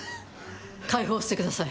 解放してください。